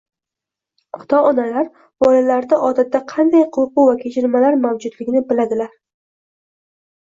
Ota-onalar bolalarda odatda qanday qo‘rquv va kechinmalar mavjudligini biladilar.